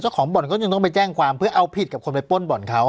ของบ่อนก็ยังต้องไปแจ้งความเพื่อเอาผิดกับคนไปป้นบ่อนเขา